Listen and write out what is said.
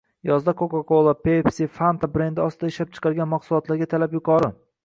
yozda Coco cola, Pepsi, Fanta brendi ostida ishlab chiqarilgan mahsulotlarga talab yuqori